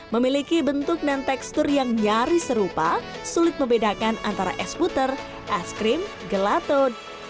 memiliki bentuk dan tekstur yang nyaris serupa sulit membedakan antara es puter es krim gelaton